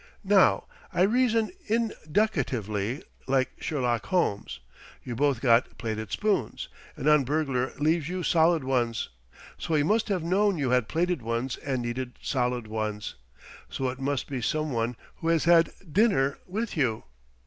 Now, I reason induc i tively, like Sherlock Holmes. You both got plated spoons. An un burglar leaves you solid ones. So he must have known you had plated ones and needed solid ones. So it must be some one who has had dinner with you."